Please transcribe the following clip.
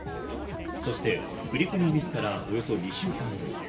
そして振り込みミスからおよそ２週間後。